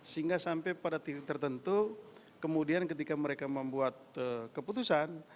sehingga sampai pada titik tertentu kemudian ketika mereka membuat keputusan